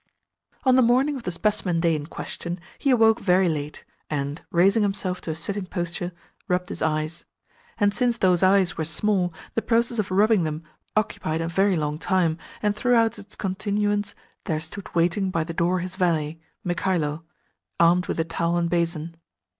On the morning of the specimen day in question he awoke very late, and, raising himself to a sitting posture, rubbed his eyes. And since those eyes were small, the process of rubbing them occupied a very long time, and throughout its continuance there stood waiting by the door his valet, Mikhailo, armed with a towel and basin.